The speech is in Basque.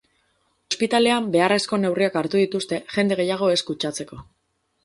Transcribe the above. Ospitalean beharrezko neurriak hartu dituzte jende gehiago ez kutsatzeko.